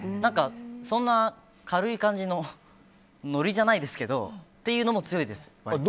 そんな軽い感じのノリじゃないですけどというのも強いです。